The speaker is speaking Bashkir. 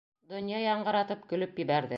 Донъя яңғыратып көлөп ебәрҙе.